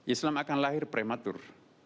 islam akan lahir prematur